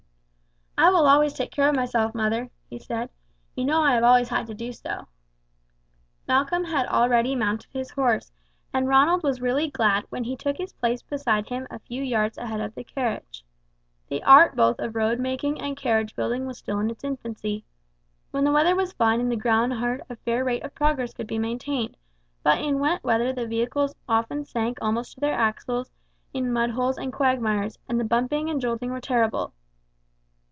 "I will take care of myself, mother," he said. "You know I have always had to do so." Malcolm had already mounted his horse, and Ronald was really glad when he took his place beside him a few yards ahead of the carriage. The art both of road making and carriage building was still in its infancy. When the weather was fine and the ground hard a fair rate of progress could be maintained; but in wet weather the vehicles often sank almost up to their axles in mud holes and quagmires, and the bumping and jolting were terrible.